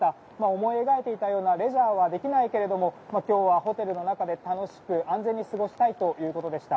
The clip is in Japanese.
思い描いたようなレジャーはできないけども今日はホテルの中で楽しく安全に過ごしたいということでした。